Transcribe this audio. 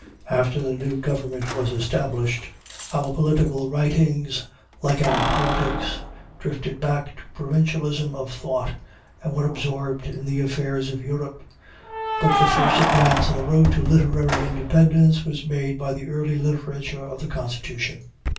After the new government was established, our political writings, like our politics, drifted back to provincialism of thought, and were absorbed in the affairs of Europe; but the first advance on the road to literary independence was made by the early literature of the Constitution.